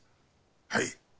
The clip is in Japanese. はい。